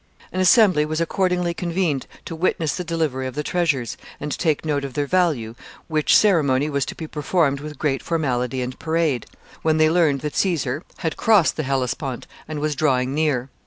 An assembly was accordingly convened to witness the delivery of the treasures, and take note of their value, which ceremony was to be performed with great formality and parade, when they learned that Caesar had crossed the Hellespont and was drawing near.